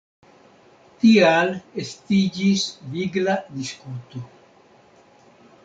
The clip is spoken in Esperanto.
Tial estiĝis vigla diskuto.